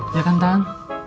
ya kan tan